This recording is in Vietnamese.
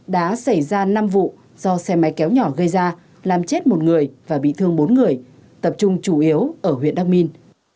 đã xảy ra năm vụ do xe máy kéo nhỏ gây ra làm chết một người và bị thương bốn người tập trung chủ yếu ở huyện đắc minh